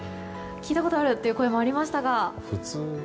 聞いたことあるという声もありましたが。